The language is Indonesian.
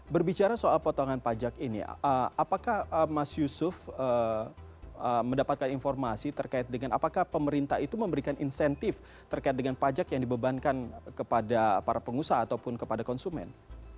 berbicara soal potongan pajak ini apakah mas yusuf mendapatkan informasi terkait dengan apakah pemerintah itu memberikan insentif terkait dengan pajak yang dibebankan kepada para pengusaha ataupun kepada konsumen